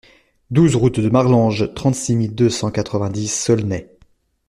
douze route de Marlanges, trente-six mille deux cent quatre-vingt-dix Saulnay